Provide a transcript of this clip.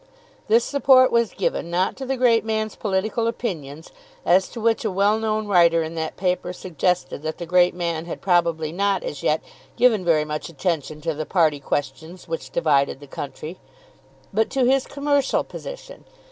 This support was given, not to the great man's political opinions, as to which a well known writer in that paper suggested that the great man had probably not as yet given very much attention to the party questions which divided the country, but to his commercial position.